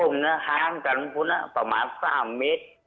ไม่ได้พูดอะไรแล้ว